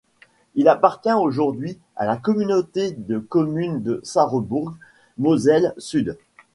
Il appartient aujourd'hui à la Communauté de communes de Sarrebourg - Moselle Sud.